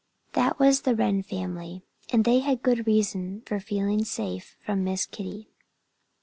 That was the Wren family. And they had a good reason for feeling safe from Miss Kitty.